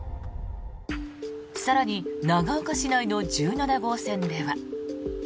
更に長岡市内の１７号線では。